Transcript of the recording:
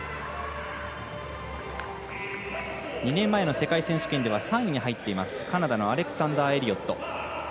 ２年前の世界選手権では３位に入っているカナダのアレクサンダー・エリオット。